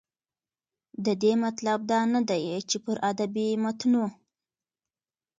د دې مطلب دا نه دى، چې پر ادبي متونو